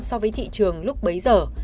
so với thị trường lúc bấy giờ